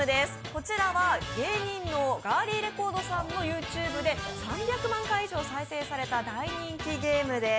こちらは芸人のガーリィレコードさんのＹｏｕＴｕｂｅで、３００万回以上再生された大人気ゲームです。